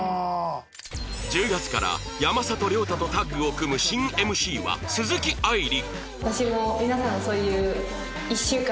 １０月から山里亮太とタッグを組む新 ＭＣ は鈴木愛理